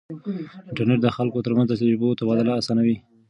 انټرنیټ د خلکو ترمنځ د تجربو تبادله اسانوي.